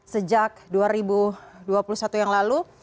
sejak dua ribu dua puluh satu yang lalu